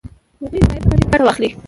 هغوی له غیاب څخه ډېره ګټه واخلي.